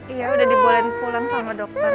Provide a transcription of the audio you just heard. iya udah dibolehin pulang sama dokter